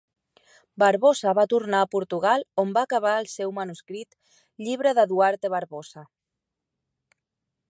Barbosa va tornar a Portugal on va acabar el seu manuscrit "Llibre de Duarte Barbosa".